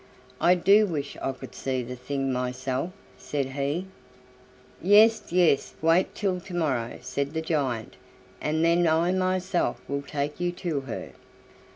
I do wish I could see the thing myself," said he. "Yes, yes, wait till to morrow," said the giant, "and then I myself will take you to her."